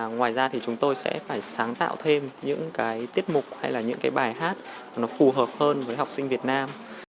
ngoài ra chúng tôi sẽ phải sáng tạo thêm những tiết mục hay bài hát phù hợp hơn với học sinh việt nam